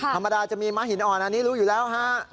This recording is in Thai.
ธรรมดาจะมีม้าหินอ่อนอันนี้รู้อยู่แล้วฮะ